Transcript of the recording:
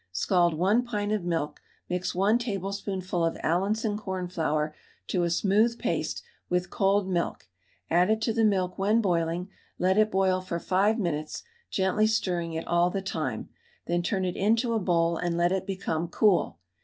Scald 1 pint of milk, mix 1 tablespoonful of Allinson cornflour to a smooth paste with cold milk, add it to the milk when boiling, let it boil for 5 minutes, gently stirring it all the time, then turn it into a bowl and let it become cool.